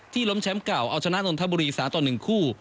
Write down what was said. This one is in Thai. ล้มแชมป์เก่าเอาชนะนนทบุรี๓ต่อ๑คู่